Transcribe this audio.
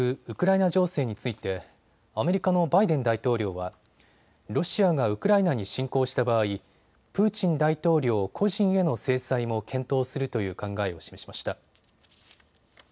ウクライナ情勢についてアメリカのバイデン大統領はロシアがウクライナに侵攻した場合プーチン大統領個人への制裁も検討するという考えを示しました。